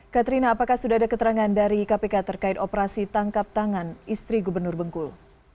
katrina apakah sudah ada keterangan dari kpk terkait operasi tangkap tangan istri gubernur bengkulu